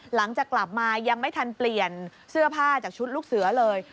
หลังจากกลับมายังไม่ทันเปลี่ยนเสื้อผ้าจากชุดลูกเสือเลย